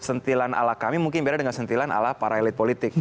sentilan ala kami mungkin beda dengan sentilan ala para elit politik